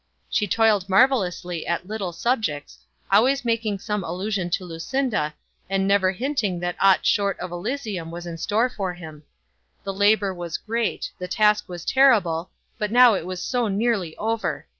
She toiled marvellously at little subjects, always making some allusion to Lucinda, and never hinting that aught short of Elysium was in store for him. The labour was great; the task was terrible; but now it was so nearly over!